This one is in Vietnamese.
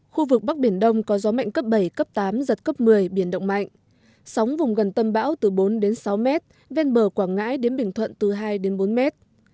khu vực bắc biển đông có gió mạnh cấp bảy cấp tám giật cấp một mươi biển động mạnh sóng vùng gần tâm bão từ bốn đến sáu mét ven bờ quảng ngãi đến bình thuận từ hai đến bốn mét